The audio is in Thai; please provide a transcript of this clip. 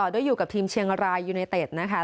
โดยอยู่กับทีมเชียงรายนะครับ